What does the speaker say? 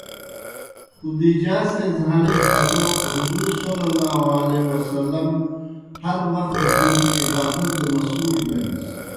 خدیجہؓ سے زہان٘لِجی پتو حضورؐ ہر وخ دہ تومیْ عبادت دہ مصروف بینَس۔